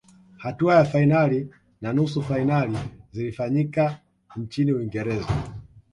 hatua ya fainali na nusu fainali zilifanyika nchini uingereza